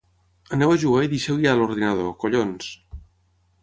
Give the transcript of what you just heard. Aneu a jugar i deixeu ja l'ordinador, collons!